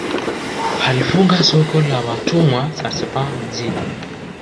Alifunga soko la watumwa Zanzibar mjini